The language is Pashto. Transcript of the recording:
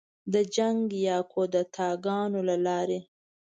د جنګ یا کودتاه ګانو له لارې